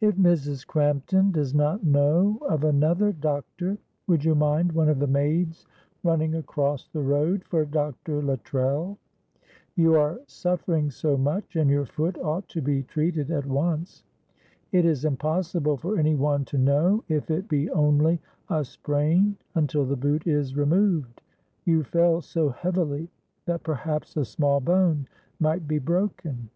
"If Mrs. Crampton does not know of another doctor would you mind one of the maids running across the road for Dr. Luttrell? You are suffering so much, and your foot ought to be treated at once. It is impossible for any one to know if it be only a sprain until the boot is removed. You fell so heavily that perhaps a small bone might be broken."